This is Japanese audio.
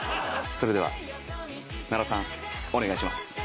それでは奈良さんお願いします。